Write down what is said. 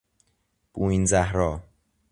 بوئین زهرا